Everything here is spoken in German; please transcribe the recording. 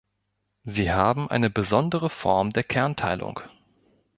Sie haben eine besondere Form der Kernteilung.